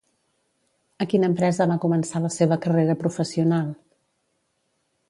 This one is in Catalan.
A quina empresa va començar la seva carrera professional?